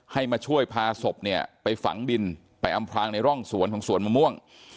มาช่วยพาศพเนี่ยไปฝังดินไปอำพลางในร่องสวนของสวนมะม่วง